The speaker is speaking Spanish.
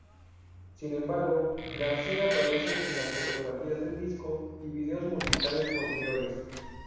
Sin embargo, García aparece en las fotografías del disco y vídeos musicales posteriores.